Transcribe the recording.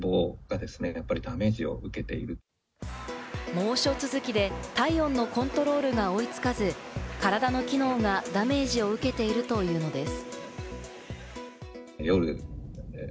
猛暑続きで体温のコントロールが追いつかず、体の機能がダメージを受けているというのです。